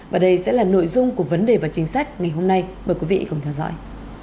và đây sẽ là nội dung của vấn đề và chính sách ngày hôm nay mời quý vị cùng theo dõi